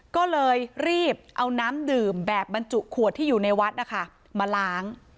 ก็เลยรีบเอาน้ำดื่มแบบบรรจุขวดที่อยู่ในวัดนะคะมาล้าง